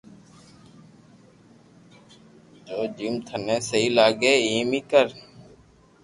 جويم ٿني سھي لاگي ايم اي ڪر